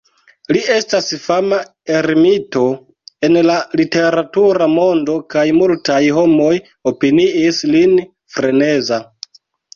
Li estas fama ermito en la literatura mondo, kaj multaj homoj opiniis lin freneza.